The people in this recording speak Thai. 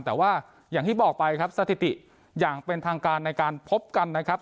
แต่ว่าอย่างที่บอกไปครับสถิติอย่างเป็นทางการในการพบกันนะครับ